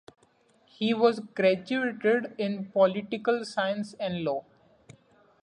He was graduated in political science and law.